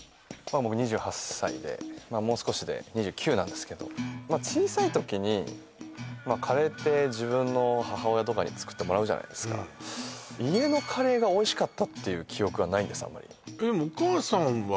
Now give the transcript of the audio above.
僕２８歳でもう少しで２９なんですけど小さい時にカレーって自分の母親とかに作ってもらうじゃないですか家のカレーがおいしかったっていう記憶がないんです